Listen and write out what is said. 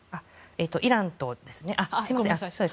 イランとですね。